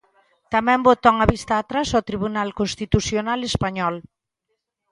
Tamén bota unha vista atrás o Tribunal Constitucional Español.